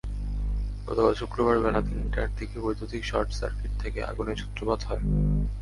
গতকাল শুক্রবার বেলা তিনটার দিকে বৈদ্যুতিক শর্টসার্কিট থেকে আগুনের সূত্রপাত হয়।